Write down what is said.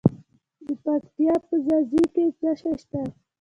د پکتیا په ځاځي کې څه شی شته؟